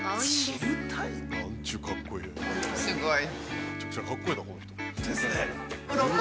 ◆すごい。